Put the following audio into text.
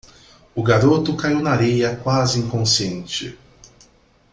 O garoto caiu na areia quase inconsciente.